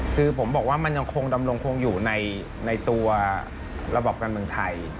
คือผมบอกว่ามันยังคงดำรงคงอยู่ในตัวระบอบการเมืองไทย